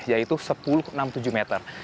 yaitu sepuluh meter